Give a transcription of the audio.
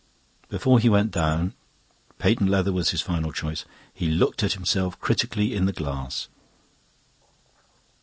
Before he went down patent leather was his final choice he looked at himself critically in the glass.